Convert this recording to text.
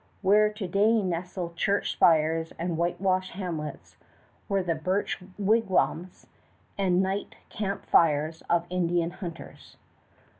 Where to day nestle church spires and whitewashed hamlets were the birch wigwams and night camp fires of Indian hunters.